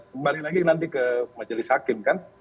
kembali lagi nanti ke majelis hakim kan